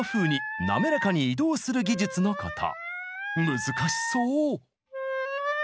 難しそう！